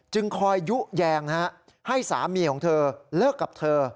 คอยยุแยงให้สามีของเธอเลิกกับเธอ